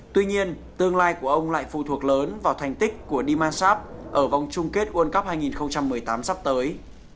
tuy nhiên tương lai của ông lại phù thuộc lớn vào thành tích của dimash ở vòng chung kết world cup hai nghìn một mươi tám sắp tới